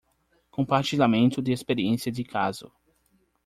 Compartilhamento de experiência de caso